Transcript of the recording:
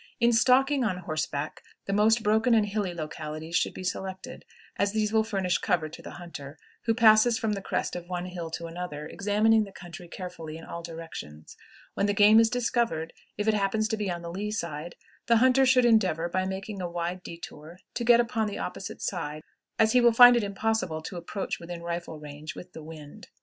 In stalking on horseback, the most broken and hilly localities should be selected, as these will furnish cover to the hunter, who passes from the crest of one hill to another, examining the country carefully in all directions. When the game is discovered, if it happen to be on the lee side, the hunter should endeavor, by making a wide detour, to get upon the opposite side, as he will find it impossible to approach within rifle range with the wind.